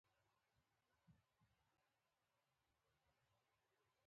شودرایان د پښو له لارې پیدا شول.